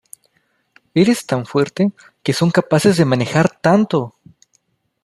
Eres tan fuerte, que son capaces de manejar tanto!